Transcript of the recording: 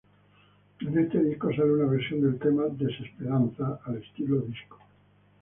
En este disco sale una versión del tema "Desesperanza" al estilo disco.